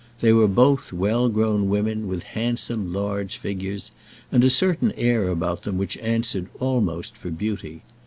They were both well grown women, with handsome, large figures, and a certain air about them which answered almost for beauty.